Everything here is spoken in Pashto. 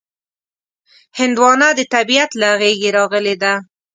هندوانه د طبیعت له غېږې راغلې ده.